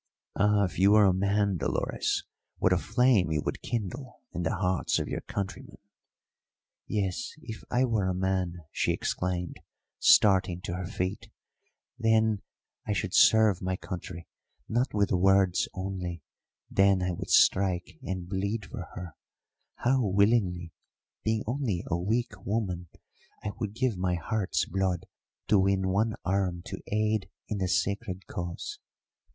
"Ah, if you were a man, Dolores, what a flame you would kindle in the hearts of your countrymen!" "Yes, if I were a man!" she exclaimed, starting to her feet; "then I should serve my country not with words only; then I would strike and bleed for her how willingly! Being only a weak woman, I would give my heart's blood to win one arm to aid in the sacred cause."